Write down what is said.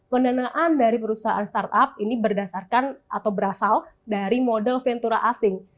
pendanaan dari perusahaan startup ini berdasarkan atau berasal dari model ventura asing